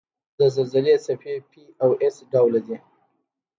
د زلزلې څپې P او S ډوله دي.